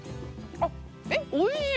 あっえっおいしい！